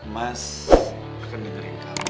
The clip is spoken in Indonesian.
mas akan dengerin kamu